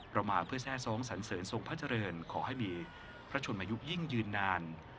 เรามาเพื่อแทร่ซ้องสันเสริญทรงพระเจริญขอให้มีพระชนมายุคยิ่งยืนนาน